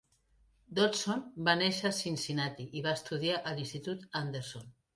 Dotson va néixer a Cincinnati i va estudiar a l'institut Anderson.